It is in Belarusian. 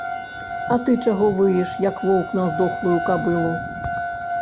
А ты чаго выеш, як воўк на здохлую кабылу?